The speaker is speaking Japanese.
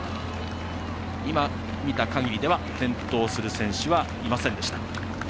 今、見たかぎりでは転倒する選手はいませんでした。